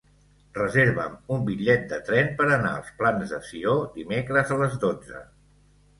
Reserva'm un bitllet de tren per anar als Plans de Sió dimecres a les dotze.